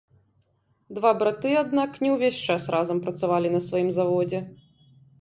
Два браты аднак не ўвесь час разам працавалі на сваім заводзе.